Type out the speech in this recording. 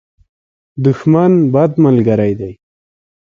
دښمن، بد ملګری دی.